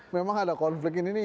memang ada konflik ini